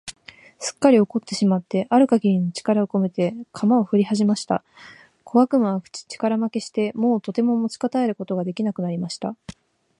すっかり怒ってしまってある限りの力をこめて、鎌をふりはじました。小悪魔は力負けして、もうとても持ちこたえることが出来なくなりました。